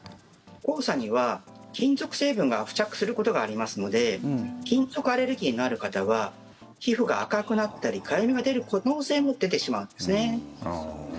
黄砂には、金属成分が付着することがありますので金属アレルギーのある方は皮膚が赤くなったりかゆみが出る可能性も出てしまうんですね。